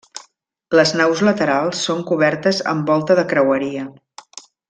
Les naus laterals són cobertes amb volta de creueria.